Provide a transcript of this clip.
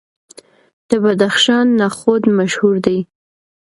د بدخشان نخود مشهور دي.